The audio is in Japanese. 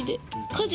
家事。